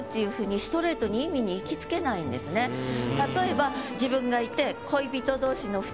例えば自分がいて。